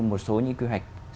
một số những quy hoạch